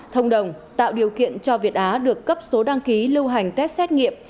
thông đồng tạo điều kiện cho việt á được cấp số đăng ký lưu hành test xét nghiệm